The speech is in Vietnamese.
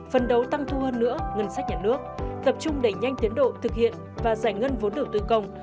phân đấu tăng thu hơn nữa ngân sách nhà nước tập trung đẩy nhanh tiến độ thực hiện và giải ngân vốn đầu tư công